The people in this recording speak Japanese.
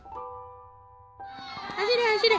走れ走れ。